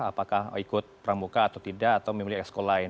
apakah ikut permuka atau tidak atau memilih ekskul lain